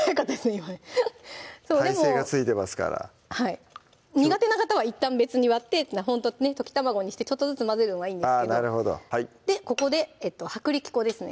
今ねたいせいがついてますから苦手は方はいったん別に割って溶き卵にしてちょっとずつ混ぜるのがいいんですけどここで薄力粉ですね